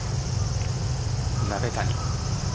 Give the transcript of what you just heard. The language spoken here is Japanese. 鍋谷。